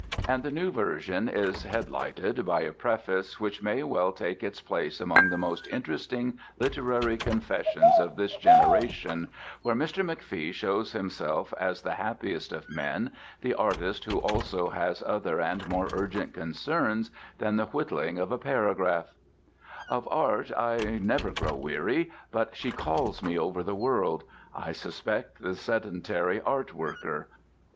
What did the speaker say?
And the new version is headlighted by a preface which may well take its place among the most interesting literary confessions of this generation, where Mr. McFee shows himself as that happiest of men, the artist who also has other and more urgent concerns than the whittling of a paragraph:— Of art I never grow weary, but she calls me over the world. I suspect the sedentary art worker.